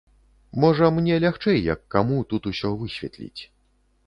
Можа, мне лягчэй, як каму, тут усё высветліць.